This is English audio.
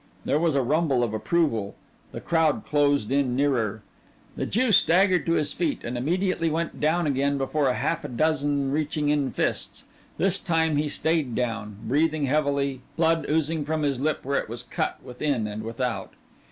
There was a rumble of approval, the crowd closed in nearer. The Jew staggered to his feet, and immediately went down again before a half dozen reaching in fists. This time he stayed down, breathing heavily, blood oozing from his lip where it was cut within and without.